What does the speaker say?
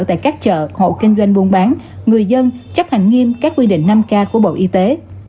tại các chợ hộ kinh doanh buôn bán người dân chấp hành nghiêm các quy định năm k của bộ y tế